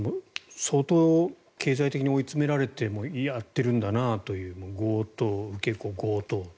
相当、経済的に追い詰められてやっているんだなという強盗、受け子、強盗と。